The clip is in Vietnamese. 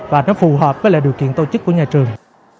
và nó phù hợp với lại điều kiện tổ chức của nhà trường